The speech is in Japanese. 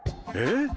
え？